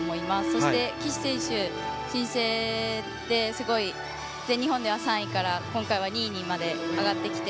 そして岸選手は新星ですごい全日本では３位から今回２位にまで上がってきて。